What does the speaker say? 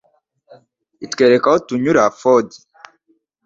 itwereka aho tunyura ford